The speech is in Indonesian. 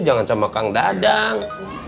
jangan sama kang dadang